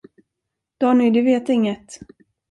Donny, du vet inget!